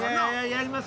やります。